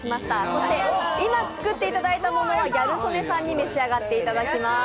そして、今作っていただいたものはギャル曽根さんに召し上がっていただきます。